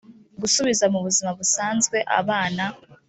gusubiza mu buzima busanzwe abana